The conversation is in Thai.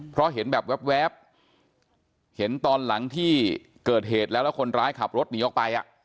เพราะเห็นแบบแว๊บเห็นตอนหลังที่เกิดเหตุแล้วแล้วคนร้ายขับรถหนีออกไป